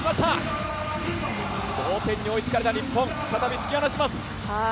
同点に追いつかれた日本、再び突き放します。